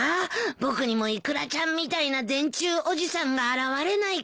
僕にもイクラちゃんみたいな電柱おじさんが現れないかな。